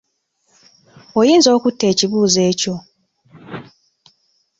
Oyinza okutta ekibuuzo ekyo?